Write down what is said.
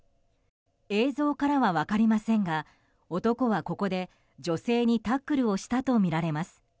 映像からは分かりませんが男は、ここで女性にタックルをしたとみられます。